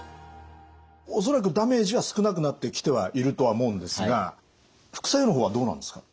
恐らくダメージは少なくなってきてはいるとは思うんですが副作用の方はどうなんですか？